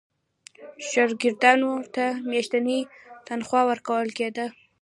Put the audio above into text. شاګردانو ته میاشتنی تنخوا ورکول کېدله.